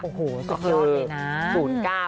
โอ้โหสุดยอดเลยนะ